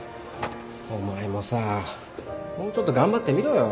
お前もさもうちょっと頑張ってみろよ